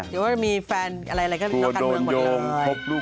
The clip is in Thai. เดี๋ยวว่ามีแฟนอะไรก็นับกันเมืองหมดเลย